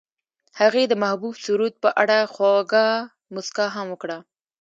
هغې د محبوب سرود په اړه خوږه موسکا هم وکړه.